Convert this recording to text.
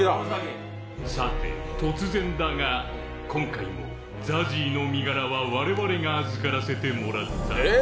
さて、突然だが、今回もＺＡＺＹの身柄は我々が預からせてもらった。